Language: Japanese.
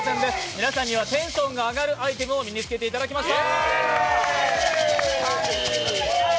皆さんにはテンションが上がるアイテムを身に着けていただきました。